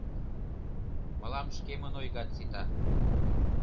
— Мылам шкемын ойгат сита!